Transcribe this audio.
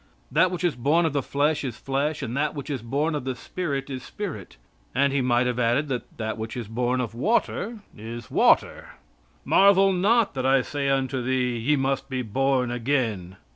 That which is born of the flesh is flesh, and that which is born of the spirit is spirit," and He might have added that which is born of water is water. "Marvel not that I say unto thee, 'ye must be born again.'"